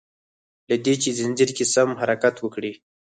له دي چي ځنځير کی سم حرکت وکړي